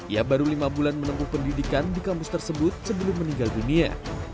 ia baru lima bulan menempuh pendidikan di kampus tersebut sebelum meninggal dunia